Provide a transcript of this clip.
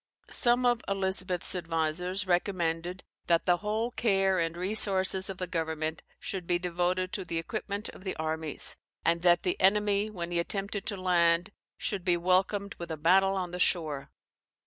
Some of Elizabeth's advisers recommended that the whole care and resources of the government should be devoted to the equipment of the armies, and that the enemy, when he attempted to land, should be welcomed with a battle on the shore.